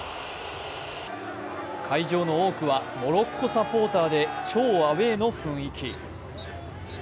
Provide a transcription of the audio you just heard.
会場の多くはモロッコサポーターで超アウェーの雰囲気。